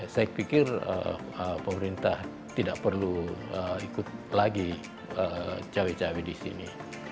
saya pikir pemerintah tidak perlu ikut lagi cawe cawe di sini